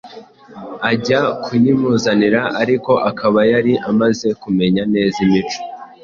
ajya kuyimuzanira ariko akaba yari amaze kumenya neza imico